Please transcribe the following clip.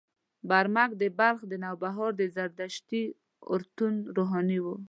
برمک د بلخ د نوبهار د زردشتي اورتون روحاني و.